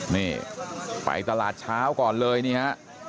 นี่ไปตลาดเช้าก่อนเลยนี่ฮะ